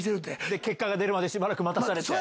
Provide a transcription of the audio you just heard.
で結果が出るまで待たされて？